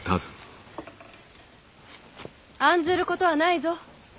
案ずることはないぞ。